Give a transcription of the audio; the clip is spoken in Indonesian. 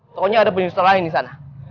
pokoknya ada penyusul lain disana